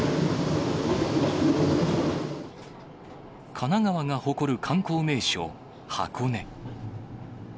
神奈川が誇る観光名所、箱根。